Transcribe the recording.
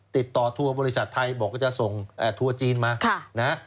ติดต่อทัวร์บริษัทไทยบอกว่าจะส่งทัวร์จีนมา